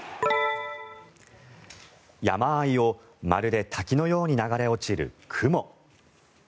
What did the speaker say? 山あいをまるで滝のように流れ落ちる雲。